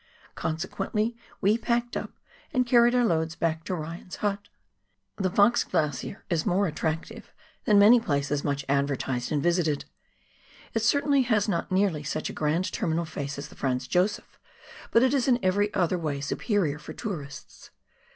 Consequently we packed up and carried our loads back to Ryan's hut. The Fox Glacier is more attractive than many places much advertised and visited. It certainly has not nearly such a grand terminal face as the Franz Josef, but it is in every other way superior for tourists.